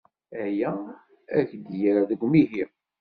Aya ad k-yerr deg umihi.